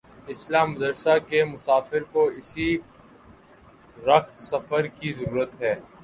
اصلاح مدرسہ کے مسافر کو اسی رخت سفر کی ضرورت ہے۔